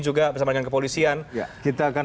juga bersama dengan kepolisian kita akan